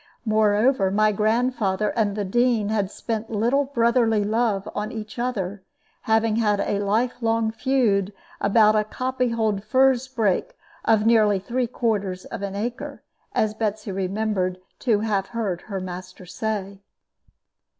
Moreover, my grandfather and the Dean had spent little brotherly love on each other, having had a life long feud about a copy hold furze brake of nearly three quarters of an acre, as Betsy remembered to have heard her master say.